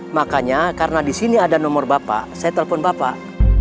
makanya karena disini ada nomor bapak saya telpon bapak